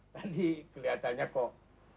tadi kelihatannya kok